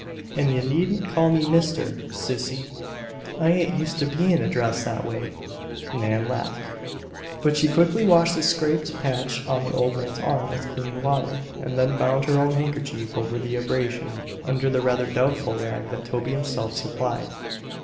"An' ye needn't call me 'Mister,' Sissy. I ain't useter bein' addressed that way." Nan laughed; but she quickly washed the scraped patch on the old man's arm with clean water and then bound her own handkerchief over the abrasion under the rather doubtful rag that Toby himself supplied.